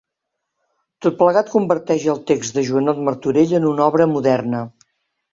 Tot plegat converteix el text de Joanot Martorell en una obra moderna.